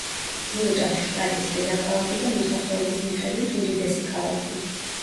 იუტას შტატის დედაქალაქი და მოსახლეობის მიხედვით უდიდესი ქალაქი.